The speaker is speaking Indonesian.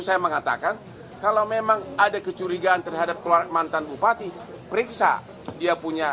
saya mengatakan kalau memang ada kecurigaan terhadap keluarga mantan bupati periksa dia punya